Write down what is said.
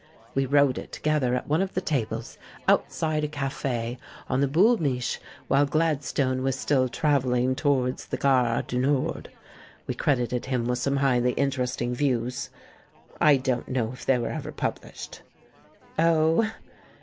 We wrote it together at one of the tables outside a cafe on the Boul' INIich' while Gladstone was still travel ling towards the gare du Nord. We credited him with some highly interesting views. I don't know if they were ever published." "Oh!"